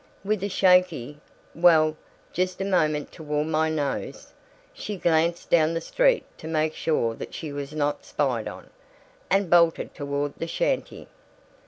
With a shaky, "Well, just a moment, to warm my nose," she glanced down the street to make sure that she was not spied on, and bolted toward the shanty.